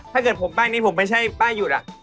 ถ้าเกิดผมใบ้นี้ผมไม่ใช่ใบ้หยุด